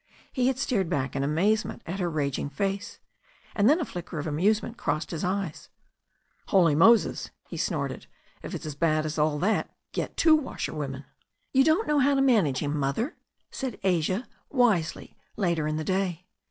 He had stared back in amazement at her raging face, and then a flicker of amusement crossed his eyes. "Holy Moses," he snorted, "if it's as bad as all that, get « two washerwomen." THE STORY OF A NEW ZEALAND RIVER 221 "You don't know how to manage him. Mother," said Asia wisely, later in the day.